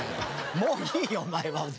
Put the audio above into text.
もういいよお前は本当。